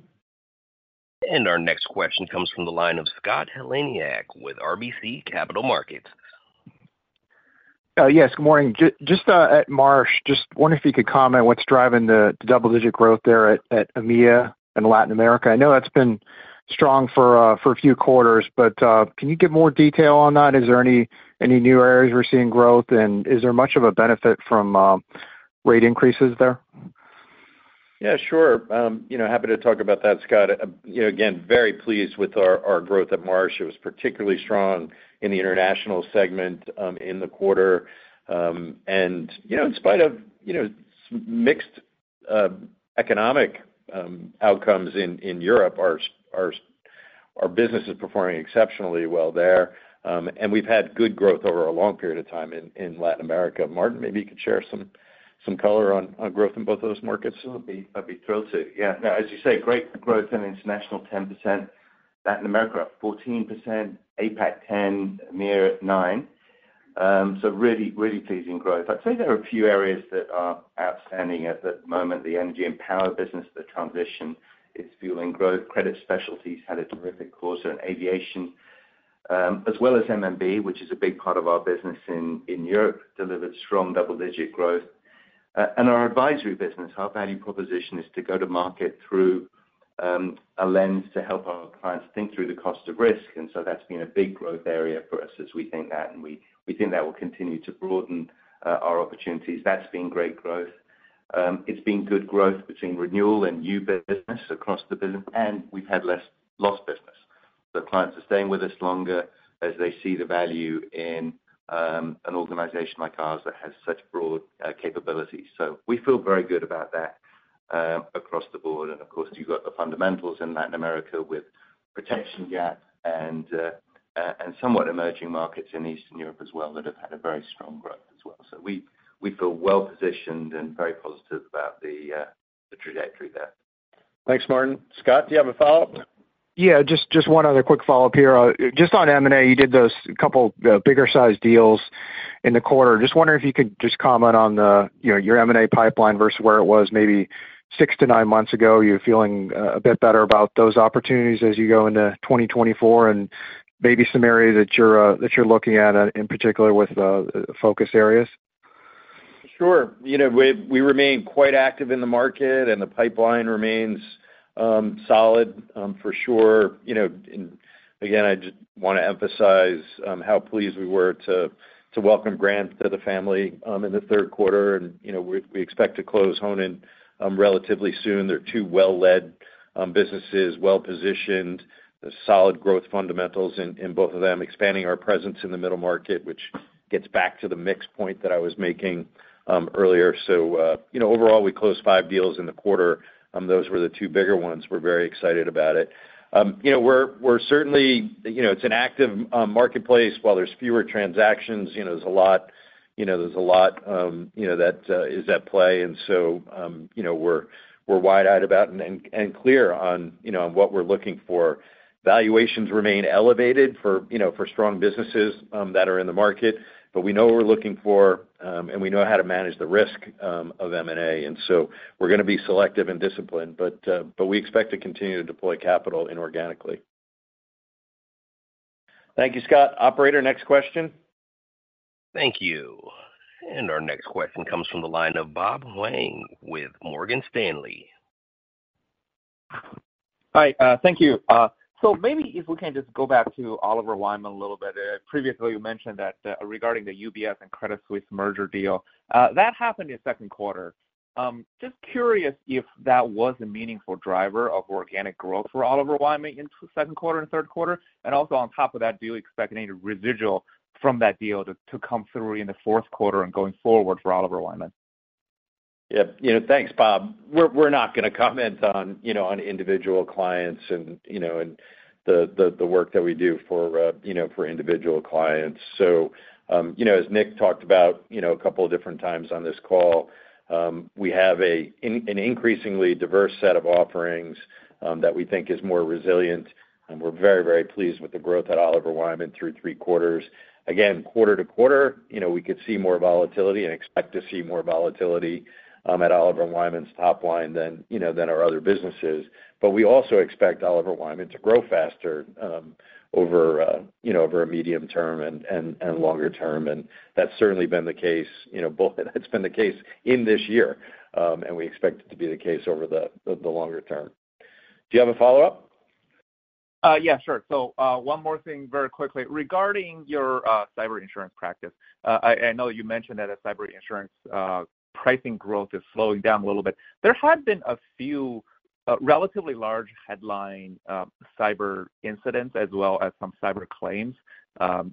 Our next question comes from the line of Scott Heleniak with RBC Capital Markets. Yes, good morning. Just at Marsh, just wonder if you could comment what's driving the double-digit growth there at EMEA and Latin America. I know that's been strong for a few quarters, but can you give more detail on that? Is there any new areas we're seeing growth, and is there much of a benefit from rate increases there? Yeah, sure. You know, happy to talk about that, Scott. You know, again, very pleased with our growth at Marsh. It was particularly strong in the international segment, in the quarter. And, you know, in spite of, you know, mixed economic outcomes in Europe, our business is performing exceptionally well there. And we've had good growth over a long period of time in Latin America. Martin, maybe you could share some color on growth in both of those markets. I'd be thrilled to. Yeah, as you say, great growth in international, 10%. Latin America, 14%, APAC, 10, EMEA, 9. So really, really pleasing growth. I'd say there are a few areas that are outstanding at the moment, the energy and power business, the transition is fueling growth. Credit specialties had a terrific quarter in aviation, as well as MMA, which is a big part of our business in Europe, delivered strong double-digit growth. And our advisory business, our value proposition is to go to market through a lens to help our clients think through the cost of risk. And so that's been a big growth area for us as we think that, and we think that will continue to broaden our opportunities. That's been great growth. It's been good growth between renewal and new business across the business, and we've had less lost business. So clients are staying with us longer as they see the value in, an organization like ours that has such broad, capabilities. So we feel very good about that, across the board. And of course, you've got the fundamentals in Latin America with protection gap and, and somewhat emerging markets in Eastern Europe as well, that have had a very strong growth as well. So we, we feel well-positioned and very positive about the, the trajectory there. Thanks, Martin. Scott, do you have a follow-up? Yeah, just, just one other quick follow-up here. Just on M&A, you did those couple, bigger-sized deals in the quarter. Just wondering if you could just comment on the, you know, your M&A pipeline versus where it was maybe six to nine months ago. Are you feeling, a bit better about those opportunities as you go into 2024, and maybe some areas that you're, that you're looking at, in particular with the focus areas? Sure. You know, we remain quite active in the market and the pipeline remains, solid, for sure. You know, and again, I just wanna emphasize, how pleased we were to welcome Graham to the family, in the Q3, and, you know, we expect to close Honan, relatively soon. They're two well-led, businesses, well-positioned, solid growth fundamentals in both of them, expanding our presence in the middle market, which gets back to the mix point that I was making, earlier. So, you know, overall, we closed 5 deals in the quarter. Those were the two bigger ones. We're very excited about it. You know, we're certainly. You know, it's an active, marketplace. While there's fewer transactions, you know, there's a lot, you know, there's a lot, you know, that is at play, and so, you know, we're wide-eyed about and clear on, you know, what we're looking for. Valuations remain elevated for, you know, for strong businesses, that are in the market, but we know what we're looking for, and we know how to manage the risk of M&A. And so we're gonna be selective and disciplined, but we expect to continue to deploy capital inorganically. Thank you, Scott. Operator, next question. Thank you. And our next question comes from the line of Bob Huang with Morgan Stanley. Hi, thank you. So maybe if we can just go back to Oliver Wyman a little bit. Previously, you mentioned that, regarding the UBS and Credit Suisse merger deal, that happened in Q2. Just curious if that was a meaningful driver of organic growth for Oliver Wyman in Q2 and Q3, and also on top of that, do you expect any residual from that deal to, to come through in the Q4 and going forward for Oliver Wyman? Yep, you know, thanks, Bob. We're not going to comment on individual clients and the work that we do for individual clients. So, you know, as Nick talked about a couple of different times on this call, we have an increasingly diverse set of offerings that we think is more resilient, and we're very, very pleased with the growth at Oliver Wyman through three quarters. Again, quarter to quarter, you know, we could see more volatility and expect to see more volatility at Oliver Wyman's top line than our other businesses. But we also expect Oliver Wyman to grow faster, you know, over a medium term and longer term, and that's certainly been the case, you know, both it's been the case in this year, and we expect it to be the case over the longer term. Do you have a follow-up? Yeah, sure. So, one more thing very quickly. Regarding your cyber insurance practice, I know you mentioned that a cyber insurance pricing growth is slowing down a little bit. There have been a few relatively large headline cyber incidents as well as some cyber claims,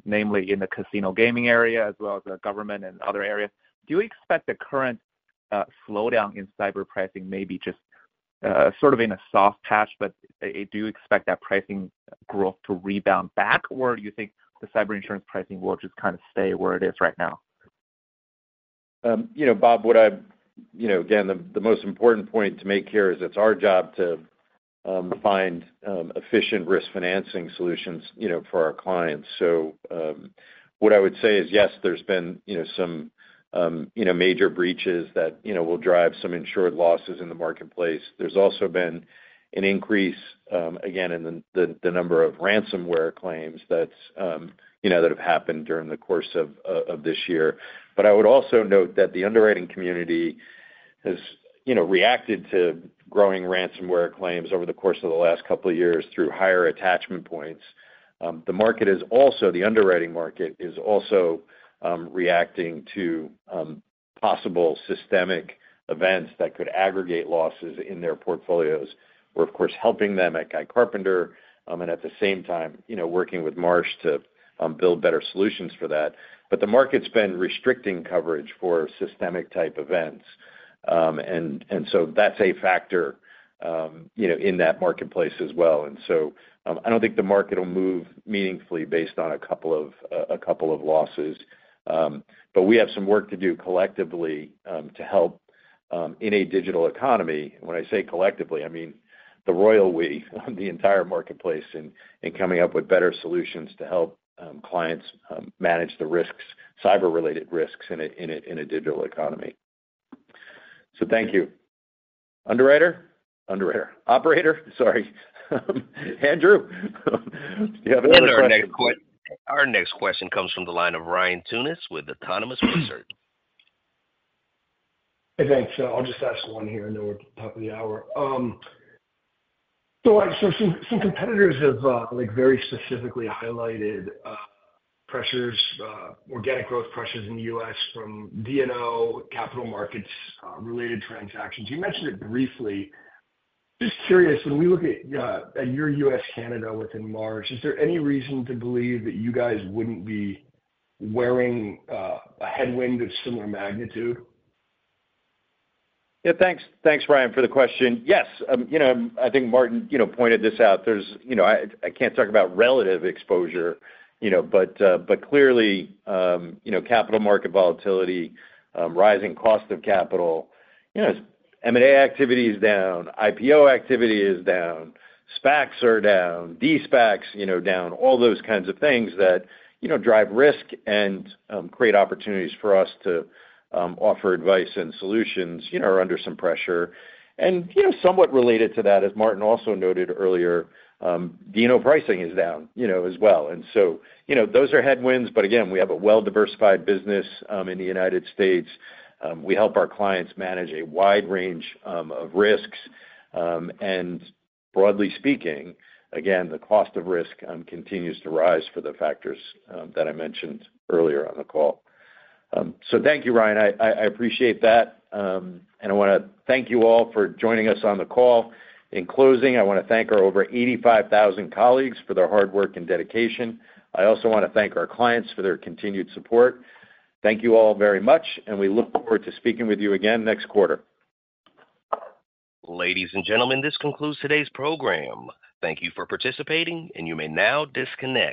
namely in the casino gaming area as well as the government and other areas. Do you expect the current slowdown in cyber pricing may be just sort of in a soft patch, but do you expect that pricing growth to rebound back? Or do you think the cyber insurance pricing will just kind of stay where it is right now? You know, Bob Huang, what I you know, again, the most important point to make here is it's our job to find efficient risk financing solutions, you know, for our clients. So, what I would say is, yes, there's been, you know, some, you know, major breaches that, you know, will drive some insured losses in the marketplace. There's also been an increase, again, in the number of ransomware claims that's, you know, that have happened during the course of, of this year. But I would also note that the underwriting community has, you know, reacted to growing ransomware claims over the course of the last couple of years through higher attachment points. The market is also, the underwriting market is also, reacting to, possible systemic events that could aggregate losses in their portfolios. We're, of course, helping them at Guy Carpenter, and at the same time, you know, working with Marsh to build better solutions for that. But the market's been restricting coverage for systemic-type events. And so that's a factor, you know, in that marketplace as well. And so, I don't think the market will move meaningfully based on a couple of losses. But we have some work to do collectively, to help in a digital economy. When I say collectively, I mean the royal we, the entire marketplace in coming up with better solutions to help clients manage the risks, cyber-related risks in a digital economy. So thank you. Underwriter? Underwriter. Operator, sorry. Andrew, do you have another question? Our next question comes from the line of Ryan Tunis with Autonomous Research. Hey, thanks. So I'll just ask the one here, I know we're at the top of the hour. So some, some competitors have, like very specifically highlighted, pressures, organic growth pressures in the U.S. from D&O, capital markets, related transactions. You mentioned it briefly. Just curious, when we look at, at your U.S., Canada within Marsh, is there any reason to believe that you guys wouldn't be wearing, a headwind of similar magnitude? Yeah, thanks. Thanks, Ryan, for the question. Yes, you know, I think Martin, you know, pointed this out. There's, you know, I can't talk about relative exposure, you know, but, but clearly, you know, capital market volatility, rising cost of capital, you know, M&A activity is down, IPO activity is down, SPACs are down, de-SPACs, you know, down, all those kinds of things that, you know, drive risk and, create opportunities for us to, offer advice and solutions, you know, are under some pressure. And, you know, somewhat related to that, as Martin also noted earlier, D&O pricing is down, you know, as well. And so, you know, those are headwinds, but again, we have a well-diversified business, in the United States. We help our clients manage a wide range of risks, and broadly speaking, again, the cost of risk continues to rise for the factors that I mentioned earlier on the call. So thank you, Ryan. I appreciate that. I want to thank you all for joining us on the call. In closing, I want to thank our over 85,000 colleagues for their hard work and dedication. I also want to thank our clients for their continued support. Thank you all very much, and we look forward to speaking with you again next quarter. Ladies and gentlemen, this concludes today's program. Thank you for participating, and you may now disconnect.